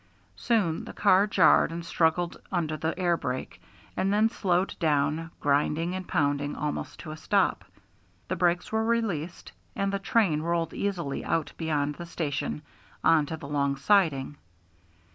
Soon the car jarred and struggled under the air brake, and then slowed down, grinding and pounding, almost to a stop. The brakes were released, and the train rolled easily out beyond the station on to the long siding.